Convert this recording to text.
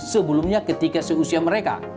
sebelumnya ketika seusia mereka